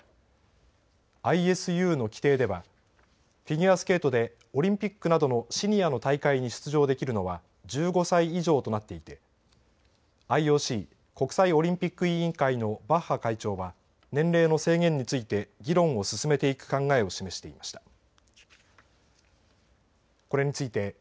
ＩＳＵの規程ではフィギュアスケートでオリンピックなどのシニアの大会に出場できるのは１５歳以上となっていてＩＯＣ＝国際オリンピック委員会のバッハ会長は年齢の制限について議論を進めていく考えを示していました。